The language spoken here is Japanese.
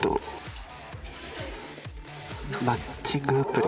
マッチングアプリ。